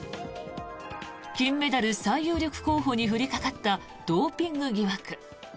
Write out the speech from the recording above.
金メダル最有力候補に降りかかったドーピング疑惑。